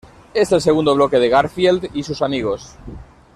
Es el segundo bloque de Garfield y sus amigos.